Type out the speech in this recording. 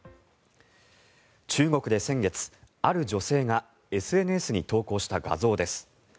中国で先月、ある女性がＳＮＳに投稿した画像です。